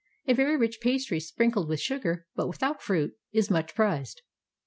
A very rich pastry sprinkled with sugar, but without fruit, is much prized.